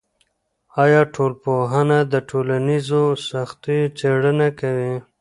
آیا ټولنپوهنه د ټولنیزو سختیو څیړنه کوي؟